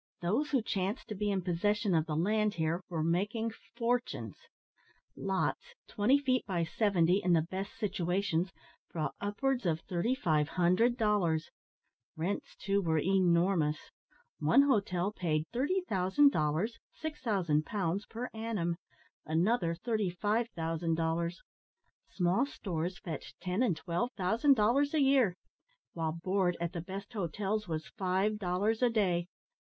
Those who chanced to be in possession of the land here were making fortunes. Lots, twenty feet by seventy, in the best situations, brought upwards of 3500 dollars. Rents, too, were enormous. One hotel paid 30,000 dollars (6000 pounds) per annum; another, 35,000 dollars. Small stores fetched ten and twelve thousand dollars a year; while board at the best hotels was five dollars a day.